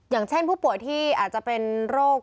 อย่างเช่นผู้ป่วยที่อาจจะเป็นโรค